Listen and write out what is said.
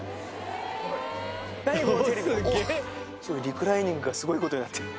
リクライニングがすごいことになってる。